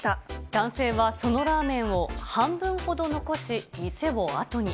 男性はそのラーメンを半分ほど残し、店を後に。